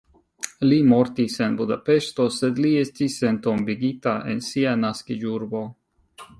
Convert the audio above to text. Li mortis en Budapeŝto, sed li estis entombigita en sia naskiĝurbo.